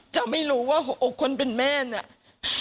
จะไม่รู้ว่าหัวอกคนเป็นแม่เนี่ย